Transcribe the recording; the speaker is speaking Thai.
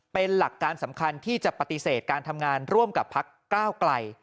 เป็นหลักการสำคัญที่จะปฏิเสธการทำงานร่วมกับพักก้าวไกล